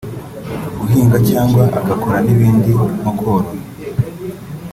guhinga cyangwa agakora n’ibindi nko korora